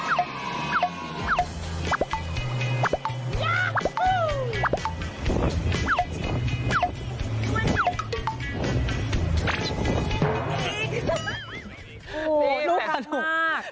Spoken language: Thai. โอ้โฮลูกขาดมาก